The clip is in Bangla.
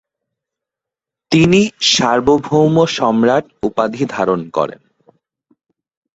তিনি সার্বভৌম সম্রাট উপাধি ধারণ করেন।